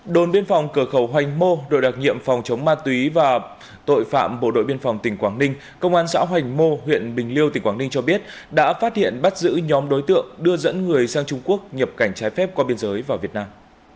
đồn biên phòng cửa khẩu hoành mô đội đặc nhiệm phòng chống ma túy và tội phạm bộ đội biên phòng tỉnh quảng ninh công an xã hoành mô huyện bình liêu tỉnh quảng ninh cho biết đã phát hiện bắt giữ nhóm đối tượng đưa dẫn người sang trung quốc nhập cảnh trái phép qua biên giới vào việt nam